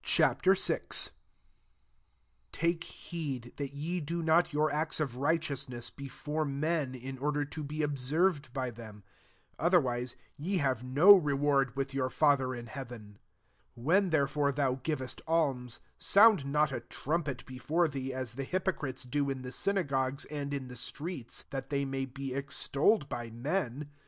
VI. 1 «« Take heed that ye do not your act* of righte ousness before men, in order to be observed by them: otherwise, ye have no reward with your Father in heaven. 2 " When therefore thou giv «8t alms, sound not a trumpet before thee, as the hypocrites do in the synagogues and in the streets, that they may be ex tolled by men.